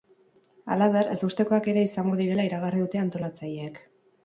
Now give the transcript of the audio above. Halaber, ezustekoak ere izango direla iragarri dute antolazatileek.